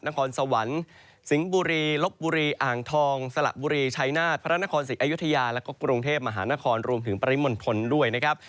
นครสวรรค์สิงห์บุรีลบบุรีอ่างทองสละบุรีชัยนาฏพระนครศรีอยุธยาแล้วก็กรุงเทพมหานครรวมถึงปริมณฑลด้วยนะครับ